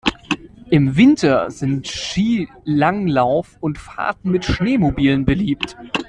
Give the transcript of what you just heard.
Im Winter sind Skilanglauf und Fahrten mit Schneemobilen beliebt.